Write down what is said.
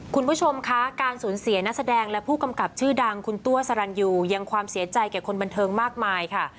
คุณผู้ชมคะการสูญเสียนักแสดงและผู้กำกับชื่อดังคุณตัวสรรยูยังความเสียใจแก่คนบันเทิงมากมายค่ะ